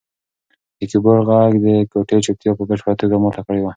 د کیبورډ غږ د کوټې چوپتیا په بشپړه توګه ماته کړې وه.